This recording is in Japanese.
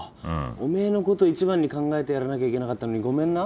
おめえのこと一番に考えてやらなきゃいけなかったのにごめんな。